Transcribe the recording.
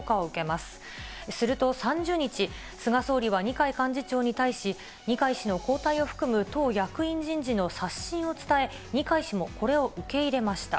すると３０日、菅総理は二階幹事長に対し、二階氏の交代を含む党役員人事の刷新を伝え、二階氏もこれを受け入れました。